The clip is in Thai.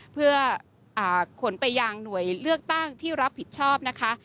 เพื่อขนไปยังหน่วยเลือกตั้งที่รับผิดชอบนะคะ